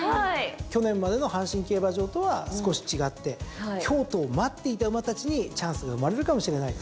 去年までの阪神競馬場とは少し違って京都を待っていた馬たちにチャンスが生まれるかもしれないですよ。